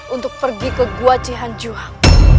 untuk pergi ke gua cihan juang